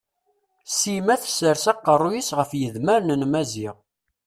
Sima tessers aqerruy-is ɣef yidmaren n Maziɣ.